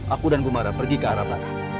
aku dan gemara pergi ke arah barat